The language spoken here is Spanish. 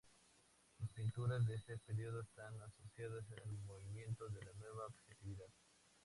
Sus pinturas de este periodo están asociadas al movimiento de la Nueva objetividad.